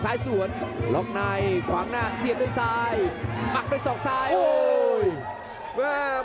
อื้อฮึจะหวังฝากหน้าแล้วเสียบด้วยของขวาความคม